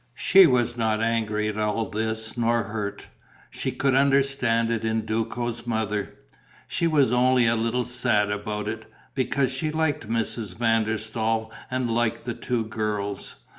She was not angry at all this nor hurt; she could understand it in Duco's mother: she was only a little sad about it, because she liked Mrs. van der Staal and liked the two girls.